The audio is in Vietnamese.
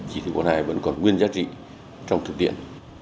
chỉ thị bốn mươi hai vẫn còn nguyên giá trị trong thực tiện